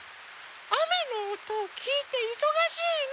あめのおとをきいていそがしいの。